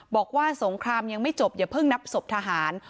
บอกว่าสงครามยังไม่จบอย่าเพิ่งนับศพทหาร